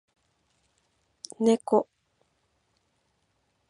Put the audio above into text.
猫